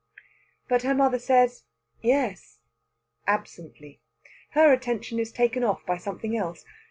But her mother says "Yes" absently. Her attention is taken off by something else.